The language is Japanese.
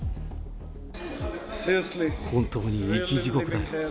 本当に生き地獄だよ。